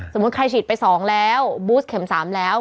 ใครฉีดไป๒แล้วบูสเข็ม๓แล้ว